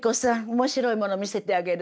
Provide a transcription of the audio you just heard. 面白いもの見せてあげる」。